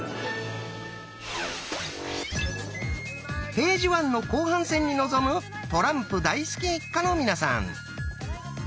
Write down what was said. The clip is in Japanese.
ページワンの後半戦に臨むトランプ大好き一家の皆さん。